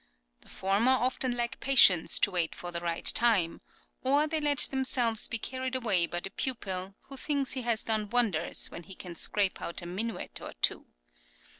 The former often lack patience to wait for the right time; or they let themselves be carried away by the pupil, who thinks he has done wonders when he can scrape out a minuet or two.